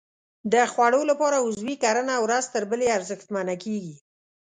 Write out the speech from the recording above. د خوړو لپاره عضوي کرنه ورځ تر بلې ارزښتمنه کېږي.